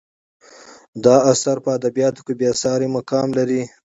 دا اثر په ادبیاتو کې بې سارې مقام لري.